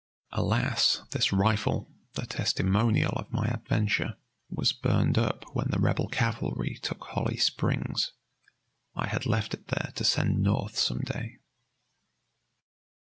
Alas! this rifle, the testimonial of my adventure, was burned up when the Rebel cavalry took Holly Springs. I had left it there to send North some day.